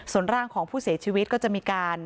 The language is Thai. ส่วนร่างของผู้เสียชีวิตก็จะมีการ